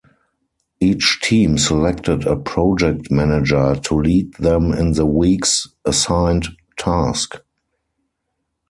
Each team selected a "project manager" to lead them in the week's assigned task.